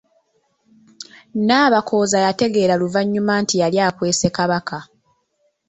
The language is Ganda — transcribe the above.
Nabakooza yategeera luvannyuma nti yali akwese Kabaka.